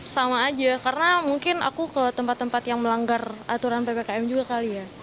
sama aja karena mungkin aku ke tempat tempat yang melanggar aturan ppkm juga kali ya